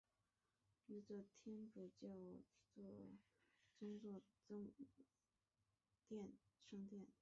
圣亚纳大西亚圣殿是意大利罗马的一座天主教宗座圣殿。